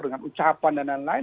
dengan ucapan dan lain lain